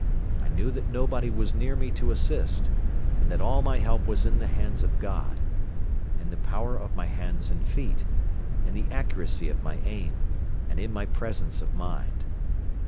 I knew that nobody was near me to assist and that all my help was in the hands of God, in the power of my hands and feet, in the accuracy of my aim and in my presence of mind.